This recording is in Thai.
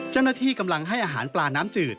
เจ้าหน้าที่กำลังให้อาหารปลาน้ำจืด